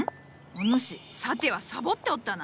お主さてはサボっておったな！